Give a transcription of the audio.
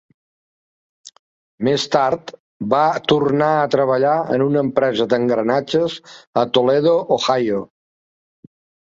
Més tard, va tornar a treballar en una empresa d'engranatges a Toledo, Ohio.